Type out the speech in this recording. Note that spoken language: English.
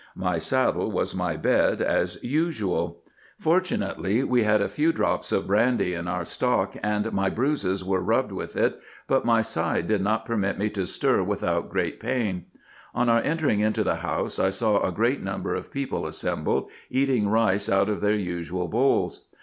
My saddle was my bed, as IN EGYPT, NUBIA, &c. 431 usual. Fortunately we had a few drops of brandy in our stock, and my bruises were rubbed with it, but my side did not permit me to stir without great pain. On our entering into the house, I saw a great number of people assembled, eating rice out of their usual bowls.